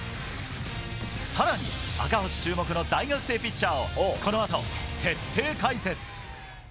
更に赤星注目の大学生ピッチャーをこのあと徹底解説。